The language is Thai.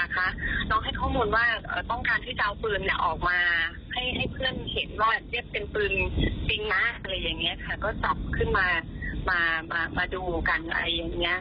ก็ไม่ได้มีการพูดถึงในเรื่องของของการทะเลาะ